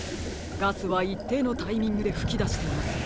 ガスはいっていのタイミングでふきだしています。